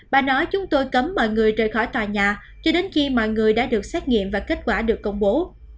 bà nói chúng tôi cấm mọi người rời khỏi tòa nhà cho đến khi mọi người đã được xét nghiệm và kết quả được công bố